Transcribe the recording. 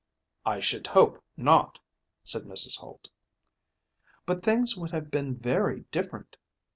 "I should hope not," said Mrs. Holt. "But things would have been very different.